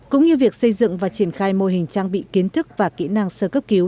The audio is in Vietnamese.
cũng như việc xây dựng và triển khai mô hình trang bị kiến thức và kỹ năng sơ cấp cứu